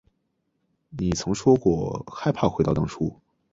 你曾说过害怕回到当初